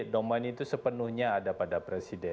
domain itu sepenuhnya ada pada presiden